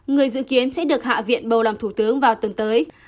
người dự kiến sẽ được hạ viện bầu làm thủ tướng vào tuần tới